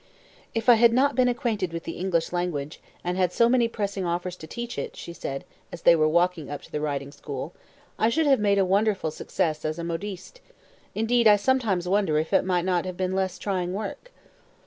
"If I had not been acquainted with the English language, and had so many pressing offers to teach it," she said, as they were walking up to the riding school, "I should have made a wonderful success as a modiste. Indeed, I sometimes wonder if it might not have been less trying work."